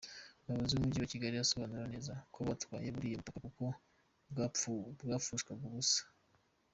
Umuyobozi w’umujyi wa Kigali asobanura neza ko batwaye buriya butaka kuko bwapfushwaga ubusa.